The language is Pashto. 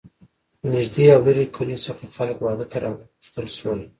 له نږدې او لرې کلیو څخه خلک واده ته را وغوښتل شول.